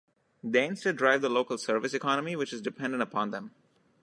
They instead drive the local service economy which is dependent upon them.